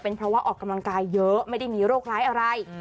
เพราะว่าออกกำลังกายเยอะไม่ได้มีโรคร้ายอะไร